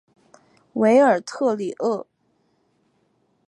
韦尔特里厄。